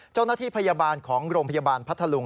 เจ้าหน้าที่พยาบาลของโรงพยาบาลพัทธลุง